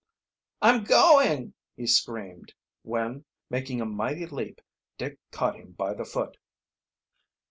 "I'm going!" he screamed, when, making a mighty leap, Dick caught him by the foot.